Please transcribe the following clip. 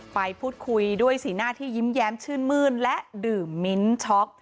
ไปพูดคุยด้วยสีหน้าที่ยิ้มแย้มชื่นมื้นและดื่มมิ้นช็อก